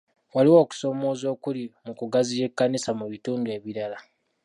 Waliwo okusoomooza okuli mu kugaziya ekkanisa mu bitundu ebirala.